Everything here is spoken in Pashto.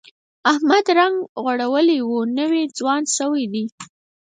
احمد رنګ غوړولی، نوی ځوان شوی دی.